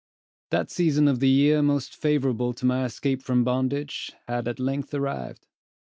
That season of the year most favorable to my escape from bondage, had at length arrived.